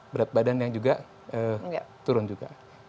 berat badan yang juga turun juga